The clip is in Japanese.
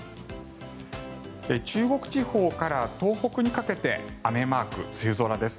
中国地方から東北にかけて雨マーク、梅雨空です。